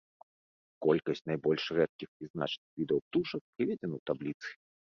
Колькасць найбольш рэдкіх і значных відаў птушак прыведзена ў табліцы.